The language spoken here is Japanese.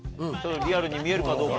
リアルに見えるかどうか。